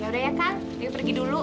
yaudah ya kang yuk pergi dulu